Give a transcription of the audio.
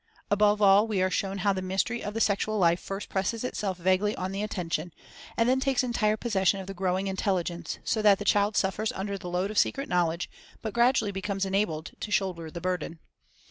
Above all, we are shown how the mystery of the sexual life first presses itself vaguely on the attention, and then takes entire possession of the growing intelligence, so that the child suffers under the load of secret knowledge but gradually becomes enabled to shoulder the burden.